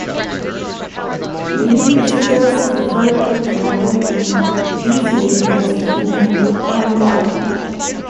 Many visitors prefer to travel in these areas in a convoy.